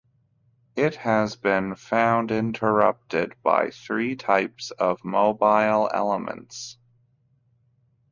It has been found interrupted by three types of mobile elements.